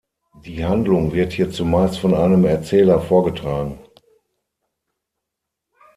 Die Handlung wird hier zumeist von einem Erzähler vorgetragen.